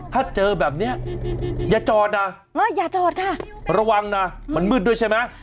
ถ้าเจอแบบนี้อย่าจอดนะระวังนะมันมืดด้วยใช่ไหม